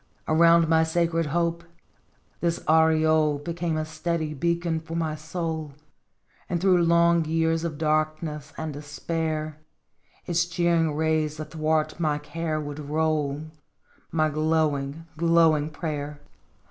Around my sacred hope this aureole Became a steady beacon for my soul, And through long years of darkness and despair Its cheering rays athwart my care would roll, My glowing, glowing prayer